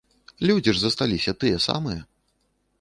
Людзі ж засталіся тыя самыя!